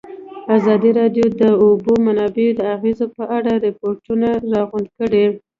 ازادي راډیو د د اوبو منابع د اغېزو په اړه ریپوټونه راغونډ کړي.